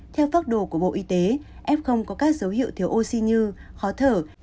theo pháp đồ của bộ y tế ép không có các dấu hiệu thiếu oxy như khó thở